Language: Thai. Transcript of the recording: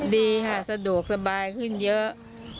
ดีค่ะสะดวกสบายขึ้นเยอะ